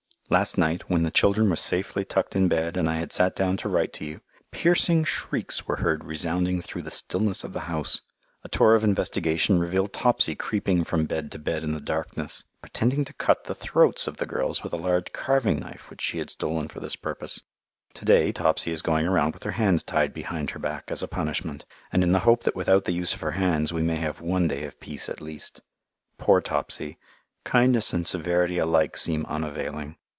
Last night, when the children were safely tucked in bed and I had sat down to write to you, piercing shrieks were heard resounding through the stillness of the house. A tour of investigation revealed Topsy creeping from bed to bed in the darkness, pretending to cut the throats of the girls with a large carving knife which she had stolen for this purpose. To day Topsy is going around with her hands tied behind her back as a punishment, and in the hope that without the use of her hands we may have one day of peace at least. Poor Topsy, kindness and severity alike seem unavailing.